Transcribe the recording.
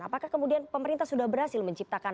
apakah kemudian pemerintah sudah berhasil menciptakan